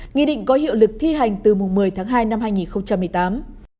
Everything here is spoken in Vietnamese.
nghị định có hiệu lực thi hành từ một mươi tháng hai năm hai nghìn một mươi tám